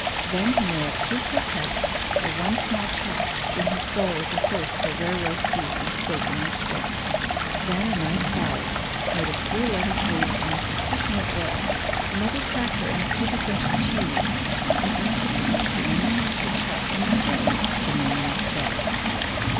Then he may have two croquettes, or one small chop, when his soul is athirst for rare roast beef and steak an inch thick. Then a nice salad, made of three lettuce leaves and a suspicion of oil, another cracker and a cubic inch of cheese, an ounce of coffee in a miniature cup, and behold, the man is fed!